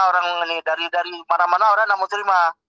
orang ini dari mana mana orang yang mau terima